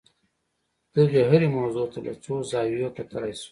دغې هرې موضوع ته له څو زاویو کتلای شو.